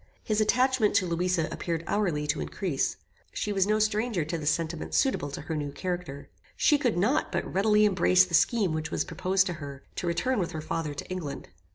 His attachment to Louisa appeared hourly to increase. She was no stranger to the sentiments suitable to her new character. She could not but readily embrace the scheme which was proposed to her, to return with her father to England.